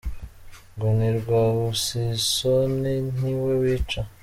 Ngo ni Rwabuzisoni ni we wica.